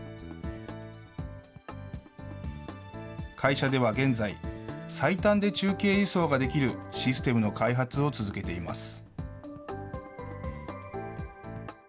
会社では現在、最短で中継輸送ができるシステムの開発を続けています。